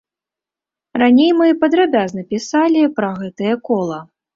Раней мы падрабязна пісалі пра гэтае кола.